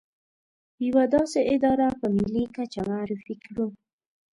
يوه داسې اداره په ملي کچه معرفي کړو.